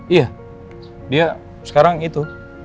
iya dia sekarang itu